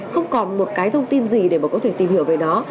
không còn một cái thông tin gì để mà có thể tìm hiểu về nó